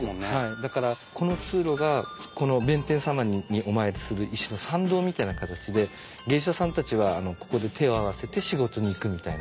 だからこの通路がこの弁天様にお参りする一種の参道みたいな形で芸者さんたちはここで手を合わせて仕事に行くみたいな。